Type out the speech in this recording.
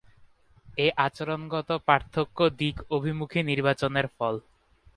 এ আচরণগত পার্থক্য দিক অভিমুখী নির্বাচনের ফল।